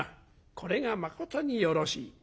これがまことによろしい。